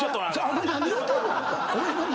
今何言うてんの？